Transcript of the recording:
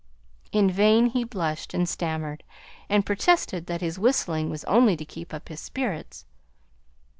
In vain he blushed and stammered, and protested that his whistling was only to keep up his spirits.